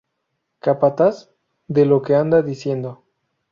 Capataz: De lo que anda diciendo.